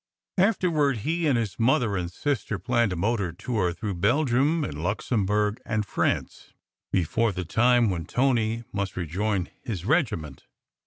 Afterward he and his mother 180 SECRET HISTORY and sister planned a motor tour through Belgium, and Luxemburg, and France, before the time when Tony must rejoin his regiment.